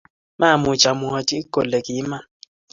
Mamuuch amwachi kole kiiman